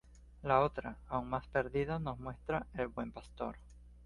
La otra, aún más perdida, nos muestra "El Buen Pastor".